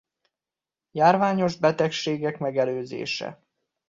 Járványos betegségek megelőzése.